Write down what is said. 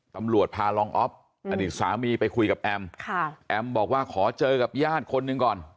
ตำรวจพารองอ๊อฟอดีตสามีไปคุยกับแอมค่ะแอมบอกว่าขอเจอกับญาติคนหนึ่งก่อน